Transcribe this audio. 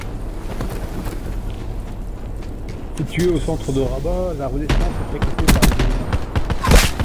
Située au centre de Rabat, La Renaissance est fréquentée par des mélomanes.